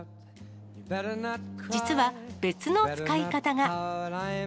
実は別の使い方が。